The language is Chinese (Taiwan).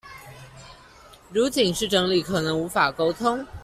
如僅是整理可能無法溝通